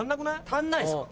足んないすか？